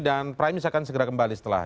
dan prime news akan segera kembali setelah